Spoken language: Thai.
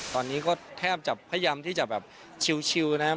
ตอนนี้ก็แทบจะพยายามที่จะแบบชิลนะครับ